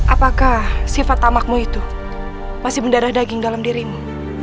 apakah sifat tamakmu itu masih mendarah daging dalam dirimu